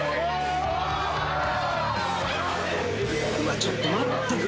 ちょっと待ってくれ。